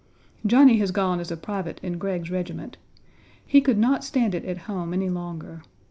Johnny has gone as a private in Gregg's regiment. He could not stand it at home any longer.